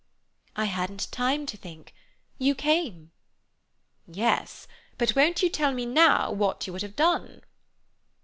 "I hadn't time to think. You came." "Yes, but won't you tell me now what you would have done?"